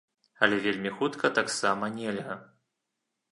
Але вельмі хутка таксама нельга.